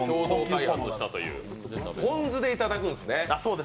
ポン酢でいただくんですね。